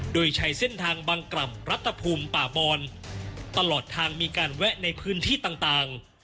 โดยใช้เส้นทางบางกล่ำรัฐภูมิป่าบอนตลอดทางมีการแวะในพื้นที่ต่าง